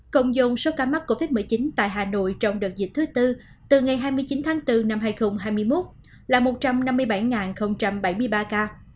cộng dông số ca mắc covid một mươi chín tại hà nội trong đợt dịch thứ tư từ ngày hai mươi chín tháng bốn năm hai nghìn hai mươi một là một trăm năm mươi bảy bảy mươi ba ca